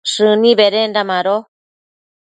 shëni bedenda mado